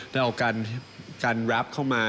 ได้เอาการแร็พเข้ามา